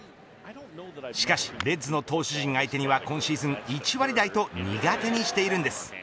しかし、レッズの投手陣相手には今シーズン１割台と苦手にしているんです。